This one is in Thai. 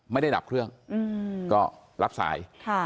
ไม่ได้ดับเครื่องก็รับสาย